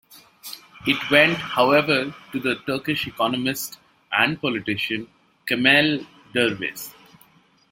It went, however, to the Turkish economist and politician, Kemel Dervis.